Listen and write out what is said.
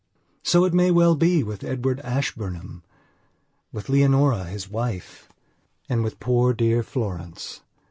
So it may well be with Edward Ashburnham, with Leonora his wife and with poor dear Florence.